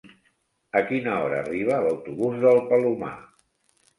A quina hora arriba l'autobús del Palomar?